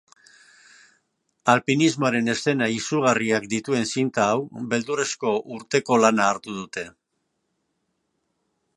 Alpinismoaren eszena izugarriak dituen zinta hau beldurrezko urteko lana hartu dute.